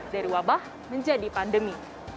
dari wabah menjadi pandemi